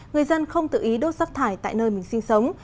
người dân không tự ý đốt rác thải tại nơi mình sinh sống